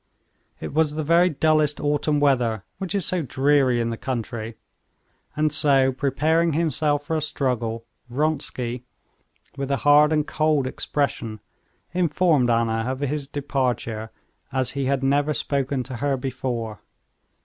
It was the very dullest autumn weather, which is so dreary in the country, and so, preparing himself for a struggle, Vronsky, with a hard and cold expression, informed Anna of his departure as he had never spoken to her before.